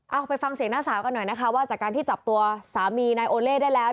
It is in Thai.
เอาไปฟังเสียงน้าสาวกันหน่อยนะคะว่าจากการที่จับตัวสามีนายโอเล่ได้แล้ว